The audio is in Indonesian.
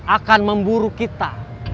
akan memburu kita